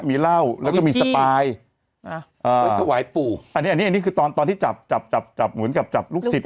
มีเหล้าแล้วก็มีสปายไว้ถวายปู่อันนี้อันนี้คือตอนตอนที่จับจับจับจับเหมือนกับจับลูกศิษย